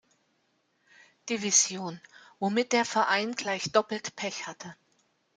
Division, womit der Verein gleich doppelt Pech hatte.